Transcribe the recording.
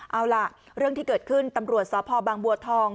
เอาล่ะเรื่องที่เกิดขึ้นตำรวจสพบางบัวทอง